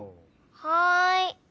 はい。